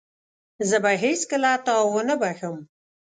زه به هيڅکله تا ونه بخښم.